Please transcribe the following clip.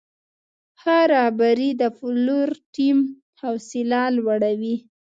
ښه رهبري د پلور ټیم حوصله لوړوي.